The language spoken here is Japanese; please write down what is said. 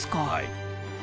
はい。